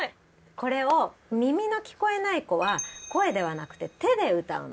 これを耳の聴こえない子は声ではなくて手で歌うの。